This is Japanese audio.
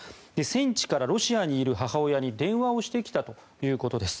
戦地からロシアにいる母親に電話をしてきたということです。